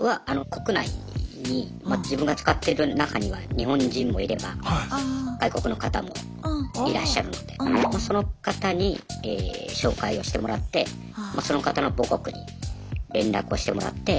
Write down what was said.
国内に自分が使ってる中には日本人もいれば外国の方もいらっしゃるのでその方に紹介をしてもらってその方の母国に連絡をしてもらって。